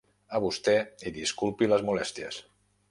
A vostè, i disculpi les molèsties.